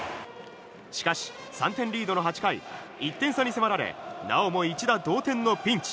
しかし、３点リードの８回１点差に迫られなおも一打同点のピンチ。